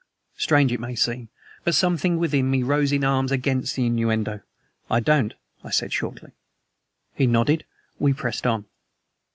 Strange it may seem, but something within me rose in arms against the innuendo. "I don't," I said shortly. He nodded. We pressed on.